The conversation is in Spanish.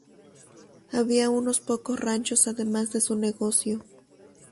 Había unos pocos ranchos además de su negocio.